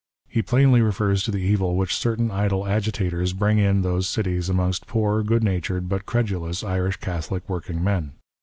He plainly refers to the evil which certain idle agitators brinsf in those cities amongst poor, good natured, but credulous, Irish Catholic working men.